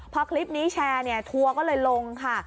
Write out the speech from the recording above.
พอคลิปนี้แชร์เนี่ยทัวร์ก็เลยลงค่ะ